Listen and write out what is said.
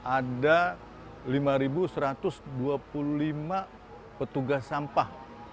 ada lima satu ratus dua puluh lima petugas sampah